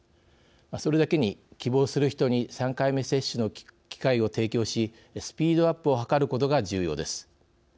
それだけに希望する人に３回目接種の機会を提供しスピードアップを図ることが重要です。